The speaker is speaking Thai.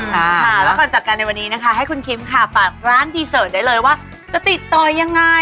ค่ะแล้วก่อนจัดการในวันนี้นะคะให้คุณคิมค่ะฝากร้านดีเสิร์ตได้เลยว่าจะติดต่อยังไง